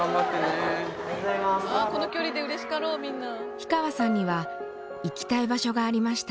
氷川さんには行きたい場所がありました。